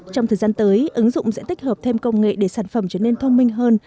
trong thời gian tới ứng dụng sẽ tích hợp thêm công nghệ để sản phẩm trở nên thông minh hơn